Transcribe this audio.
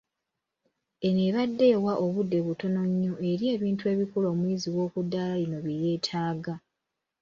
Eno ebadde ewa obudde butono nnyo eri ebintu ebikulu omuyizi w’okuddaala lino bye yeetaaga.